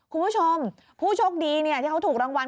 คุณผู้ชมผู้โชคดีที่เขาถูกรางวัล